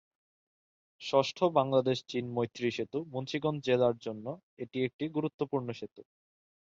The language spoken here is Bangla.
ষষ্ঠ বাংলাদেশ-চীন মৈত্রী সেতু মুন্সিগঞ্জ জেলার জন্য এটি একটি গুরুত্বপূর্ণ সেতু।